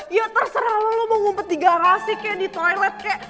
ya terserah lo lo mau ngumpet di garasi kek di toilet kek